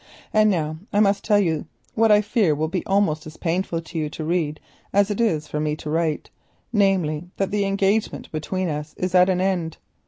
And now I must tell you what I fear will be almost as painful to you to read as it is for me to write, namely, that the engagement between us is at an end.